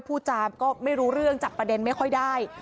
พูดจามก็ไม่รู้เรื่องจับประเด็นไม่ค่อยได้